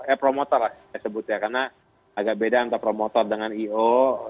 eh promotor lah saya sebut ya karena agak beda antara promotor dengan i o